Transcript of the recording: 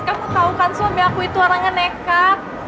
kamu tahu kan suami aku itu orang yang nekat